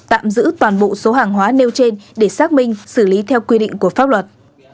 tạm giữ toàn bộ số hàng hóa nêu trên để xác minh xử lý theo quy định của pháp luật